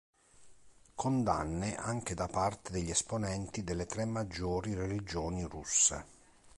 Condanne anche da parte degli esponenti delle tre maggiori religioni russe.